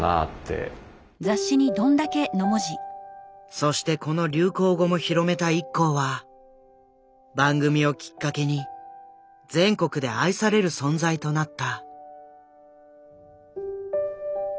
そしてこの流行語も広めたＩＫＫＯは番組をきっかけに全国で愛される存在となった。